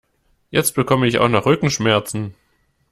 Jetzt bekomme ich auch noch Rückenschmerzen!